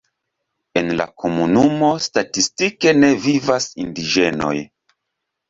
En la komunumo statistike ne vivas indiĝenoj.